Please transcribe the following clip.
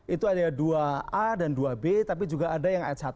itu ada dua a dan dua b tapi juga ada yang ayat satu